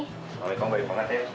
assalamualaikum mbak ipoh natif